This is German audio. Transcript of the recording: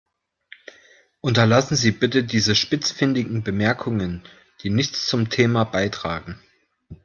Unterlassen Sie bitte diese spitzfindigen Bemerkungen, die nichts zum Thema beitragen.